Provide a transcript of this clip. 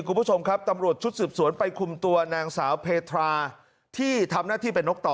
ครับสมควรชุดสืบสวนไปคุมตัวนางสาวเพทราที่ทำหน้าที่เป็นนกต่อ